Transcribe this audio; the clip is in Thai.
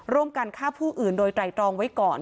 ร่วมกันฆ่าผู้อื่นโดยไตรตรองไว้ก่อน